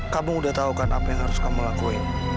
kamu udah tahu kan apa yang harus kamu lakuin